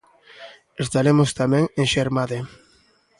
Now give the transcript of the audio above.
Estaremos tamén en Xermade.